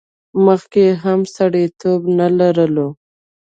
مخکې یې سړیتیوب نه لرلو.